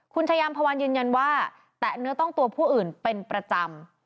คุณชายามพวันยืนยันว่าแตะเนื้อต้องตัวผู้อื่นเป็นประจำ